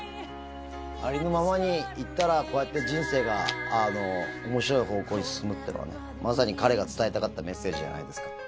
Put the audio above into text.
ありのままにいったら、こうやって人生がおもしろい方向に進むってのはね、まさに彼が伝えたかったメッセージじゃないですか。